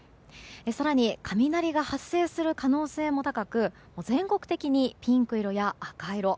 更に、雷が発生する可能性も高く全国的にピンク色や赤色。